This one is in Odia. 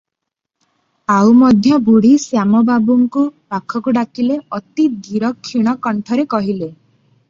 ଆଉ ମଧ୍ୟ ବୁଢ଼ୀ ଶ୍ୟାମ ବାବୁଙ୍କୁ ପାଖକୁ ଡାକିଲେ- ଅତି ଧୀର କ୍ଷୀଣ କଣ୍ଠରେ କହିଲେ-